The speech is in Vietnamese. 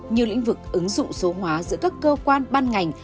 như lĩnh vực ứng dụng số hóa giữa các cơ quan ban ngành